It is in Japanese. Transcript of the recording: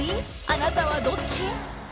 あなたはどっち？